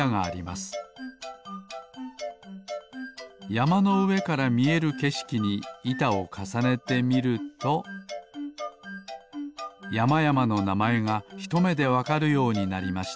やまのうえからみえるけしきにいたをかさねてみるとやまやまのなまえがひとめでわかるようになりました